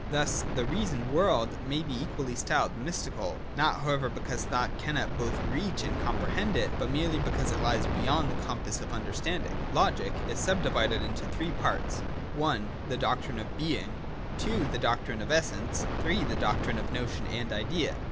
Thus the reason world may be equally styled mystical, — not however because tliought cannot both reach and comprehend it, but merely because it lies beyond the compass of understanding. 83.J SUBDIVISIONS OF LOGIC. 155 83.] Logic is subdivided into three parts :— I. The Doctrine of Being: II. The Doctrine of Essence: III. The Doctrine of Notion and Idea.